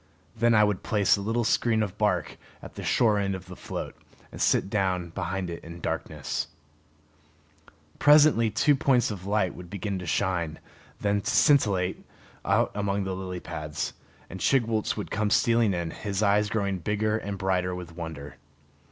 Then I would place a little screen of bark at the shore end of the float, and sit down behind it in darkness. [Illustration: Chigwooltz] Presently two points of light would begin to shine, then to scintillate, out among the lily pads, and Chigwooltz would come stealing in, his eyes growing bigger and brighter with wonder.